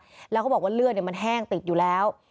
แม่ของนายบอกว่าเลือดแห้งติดแล้ว